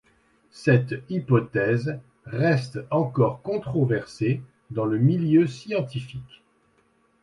Cette hypothèse reste encore controversée dans le milieu scientifique.